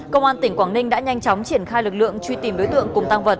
công an tỉnh quảng ninh đã nhanh chóng triển khai lực lượng